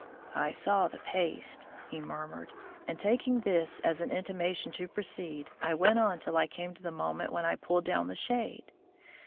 "I saw the paste," he murmured. And taking this as an intimation to proceed, I went on till I came to the moment when I pulled down the shade.